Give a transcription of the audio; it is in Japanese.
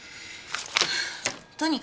とにかく！